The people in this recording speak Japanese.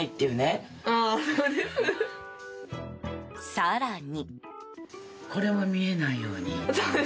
更に。